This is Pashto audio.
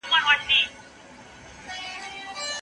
په ميراث کي د نارينه او ښځو تر منځ په برخو کي تفاوت دی.